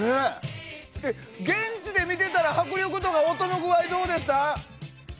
現地で見てたら、迫力とか音の具合どうでした？